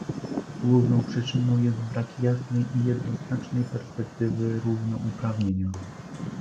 Główną przyczyną jest brak jasnej i jednoznacznej perspektywy równouprawnienia